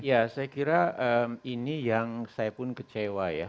ya saya kira ini yang saya pun kecewa ya